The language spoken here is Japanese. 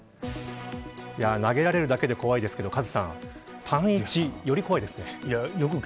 投げられるだけで怖いですけどカズさん、パンイチより怖いですね。